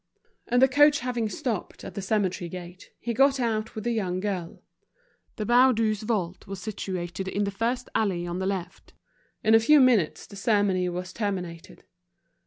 And the coach having stopped at the cemetery gate, he got out with the young girl. The Baudus' vault was situated in the first alley on the left. In a few minutes the ceremony was terminated.